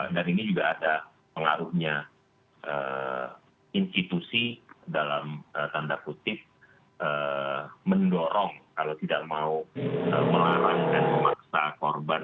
dan ini juga ada pengaruhnya institusi dalam tanda kutip mendorong kalau tidak mau melarang dan memaksa korban